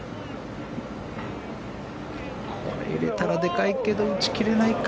これを入れたらでかいけど打ち切れないか。